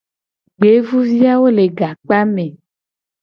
Gbevuviawo le gakpame.